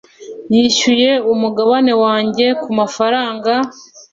nishyuye umugabane wanjye kumafaranga